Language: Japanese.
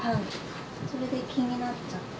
それで気になっちゃって。